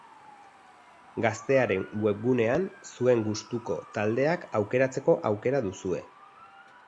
Gaztearen webgunean zuen gustuko taldeak aukeratzeko aukera duzue.